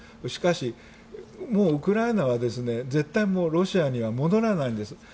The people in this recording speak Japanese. しかし、ウクライナは絶対、ロシアには戻らないんです。